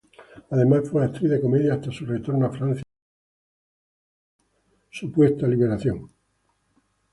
Además, fue actriz de comedia hasta su retorno a Francia tras la Liberación.